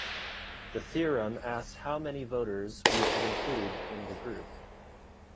The theorem asks how many voters we should include in the group.